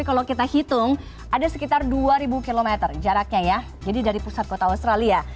ada sekitar dua ribu km jaraknya ya jadi dari pusat kota australia